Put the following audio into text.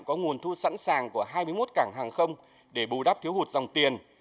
có nguồn thu sẵn sàng của hai mươi một cảng hàng không để bù đắp thiếu hụt dòng tiền